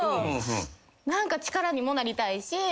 何か力にもなりたいし。